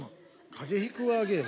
風邪ひくわゲーム？